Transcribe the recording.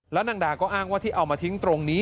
แล้วนางดาก็อ้างว่าที่เอามาทิ้งตรงนี้